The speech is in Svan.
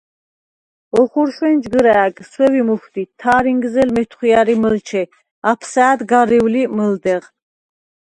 ოხურშვენ ჯგჷრა̄̈გ – სვევი მუჰვდი, თა̈რინგზელ – მეთხვია̈რი მჷლჩე, აფსასდ – გარევლი მჷლდეღ.